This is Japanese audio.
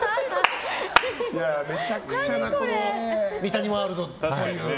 めちゃくちゃな三谷ワールド。